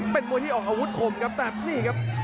เป็นมวยที่ออกอาวุธคมครับแต่นี่ครับ